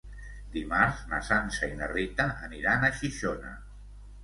Dimarts na Sança i na Rita aniran a Xixona.